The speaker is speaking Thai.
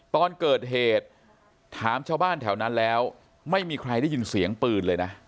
ตอนเกิดเหตุถามชาวบ้านแถวนั้นแล้วไม่มีใครได้ยินเสียงปืนเลยนะ